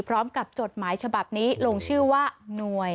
พร้อมกับจทฯหมายฉบับนี้ลงชื่อว่าน้วย